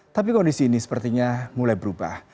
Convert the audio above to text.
tapi kondisi ini sepertinya mulai berubah